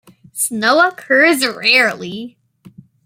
Snow occurs rarely.